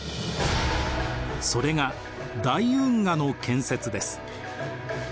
それが大運河の建設です。